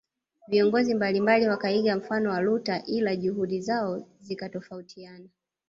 Viongozi mbalimbali wakaiga mfano wa Luther ila juhudi zao zikatofautiana